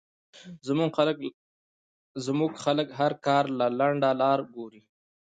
زمونږ خلک هر کار له لنډه لار ګوري